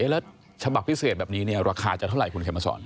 แล้วฉบับพิเศษแบบนี้ราคาจะเท่าไหรคุณเขมสอน